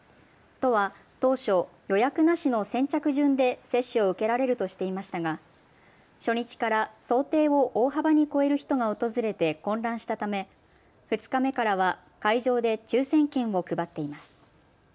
都は当初、予約なしの先着順で接種を受けられるとしていましたが初日から想定を大幅に超える人が訪れて混乱したため２日目からは会場で抽せん券を配っています。